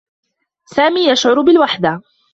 سامي يشعر بالوحدة.